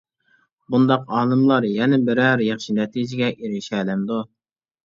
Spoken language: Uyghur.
بۇنداق ئالىملار يەنە بىرەر ياخشى نەتىجىگە ئېرىشەلەمدۇ.